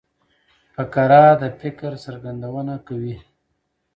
فقره د فکر څرګندونه کوي.